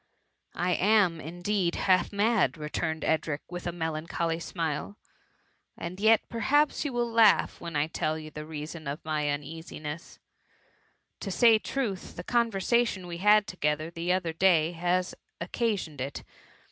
^" I am, indeed, half mad,'' returned Edric, with a melancholy smile ;" and yet, perhaps, you will laugh when I tell you the reason of my uneasiness : to say truth, the conversatioQ .we had together the other day ha9 occa* siqned it.